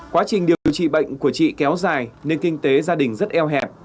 quá trình điều trị bệnh của chị kéo dài nên kinh tế gia đình rất eo hẹp